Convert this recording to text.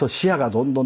どんどん